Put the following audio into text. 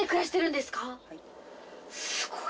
すごい。